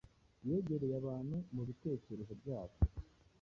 Yegereye abantu mu bitekerezo byabo